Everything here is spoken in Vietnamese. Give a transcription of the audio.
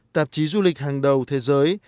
tạp chí du lịch hàng đầu thế giới